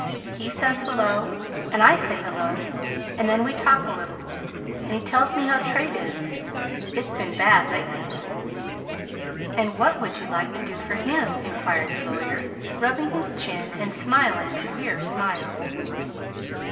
He says 'Hello!' and I say 'Hello!' and then we talk a little, and he tells me how trade is. It's been bad lately." "And what would you like to do for him?" inquired the lawyer, rubbing his chin and smiling a queer smile.